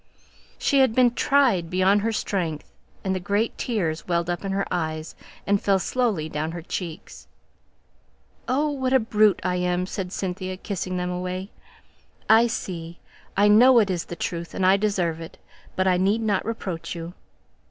She had been tried beyond her strength: and the great tears welled up into her eyes, and fell slowly down her cheeks. "Oh! what a brute I am!" said Cynthia, kissing them away. "I see I know it is the truth, and I deserve it but I need not reproach you."